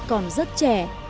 còn rất trẻ